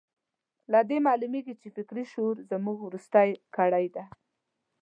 له دې معلومېږي چې فکري شعور زموږ وروستۍ کړۍ ده.